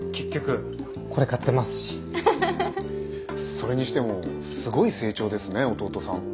それにしてもすごい成長ですね弟さん。